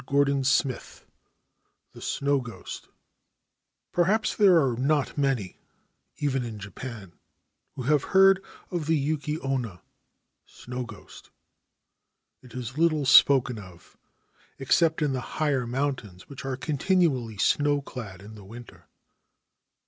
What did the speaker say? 306 XLIX THE SNOW GHOST PERHAPS there are not many, even in Japan, who have heard of the ' Yuki Onna ' (Snow Ghost). It is little spoken of except in the higher mountains, which are continually snowclad in the winter.